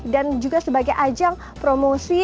dan juga sebagai ajang promosi